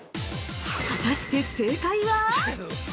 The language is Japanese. ◆果たして、正解は？